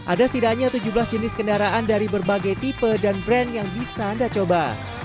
ada setidaknya tujuh belas jenis kendaraan dari berbagai tipe dan brand yang bisa anda coba